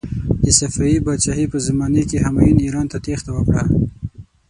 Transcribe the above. د صفوي پادشاهي په زمانې کې همایون ایران ته تیښته وکړه.